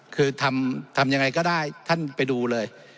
คือทำยังไงก็ได้ท่านไปดูเลย